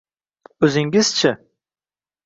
-O’zingiz-chi?